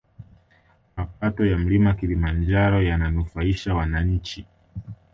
Mapato ya mlima kilimanjaro yananufaisha wananchi